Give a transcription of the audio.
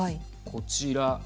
こちら。